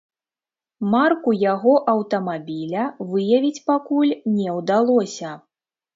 Марку яго аўтамабіля выявіць пакуль не ўдалося.